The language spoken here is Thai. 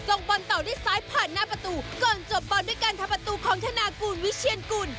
บอลเตาด้วยซ้ายผ่านหน้าประตูก่อนจบบอลด้วยการทำประตูของธนากูลวิเชียนกุล